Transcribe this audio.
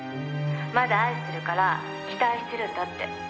「まだ愛してるから期待してるんだって」